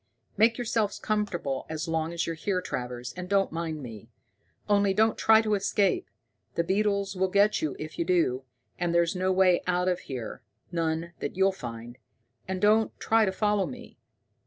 "Make yourself comfortable as long as you're here, Travers, and don't mind me. Only, don't try to escape. The beetles will get you if you do, and there's no way out of here none that you'll find. And don't try to follow me.